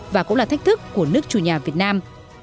và cũng là thách thức của nước chủ nhà việt nam